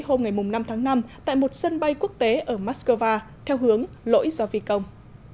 hôm năm tháng năm tại một sân bay quốc tế ở moscow theo hướng lỗi do vi công